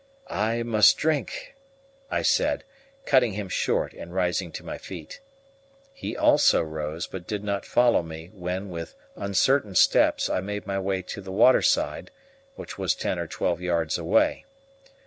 "I must drink," I said, cutting him short and rising to my feet. He also rose, but did not follow me, when, with uncertain steps, I made my way to the waterside, which was ten or twelve yards away.